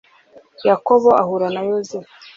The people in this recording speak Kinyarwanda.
yakobo ahura na yozefu